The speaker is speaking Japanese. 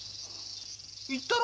言ったろ？